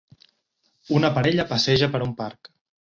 una parella passeja per un parc.